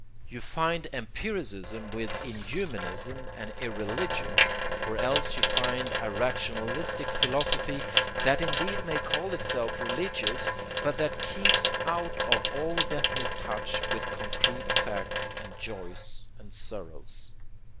You find empiricism with inhumanism and irreligion; or else you find a rationalistic philosophy that indeed may call itself religious, but that keeps out of all definite touch with concrete facts and joys and sorrows.